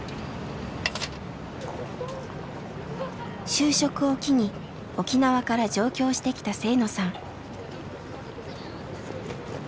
就職を機に沖縄から上京してきた制野さん。